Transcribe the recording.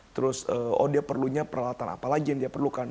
terus oh dia perlunya peralatan apa lagi yang dia perlukan